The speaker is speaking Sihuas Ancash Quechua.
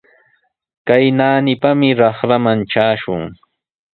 Kay naanipami raqraman trashun.